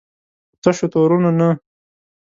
په تشو تورونو نه.